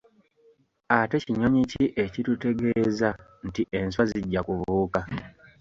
Ate kinyonyi ki ekitutegeeza nti enswa zijja kubuuka?